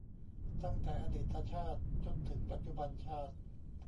ตั้งแต่อดีตชาติจนถึงปัจจุบันชาติ